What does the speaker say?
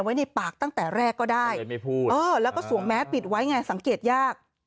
ไว้ในปากตั้งแต่แรกก็ได้แล้วก็สวงแม้ปิดไว้ไงสังเกตยาก